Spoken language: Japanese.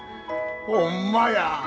ほんまや。